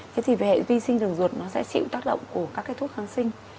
thế thì về vi sinh đường ruột nó sẽ chịu tác động của các cái thuốc kháng sinh